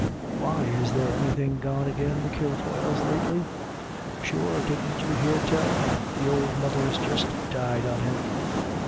u Why, is there anything gone agin the Kilfoyles lately ?"" Sure, didn't you hear tell ? The ould mother's just died on him.